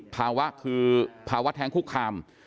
ภาวะคือภาวะแท้งคุกคาม